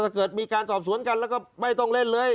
เกิดมีการสอบสวนกันแล้วก็ไม่ต้องเล่นเลย